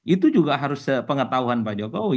itu juga harus sepengetahuan pak jokowi